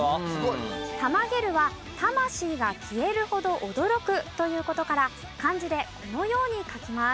「たまげる」は魂が消えるほど驚くという事から漢字でこのように書きます。